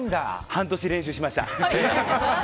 半年練習しました。